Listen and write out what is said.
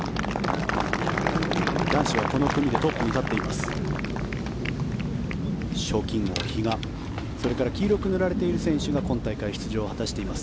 男子はこの組でトップに立っています。